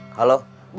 sangat sama jua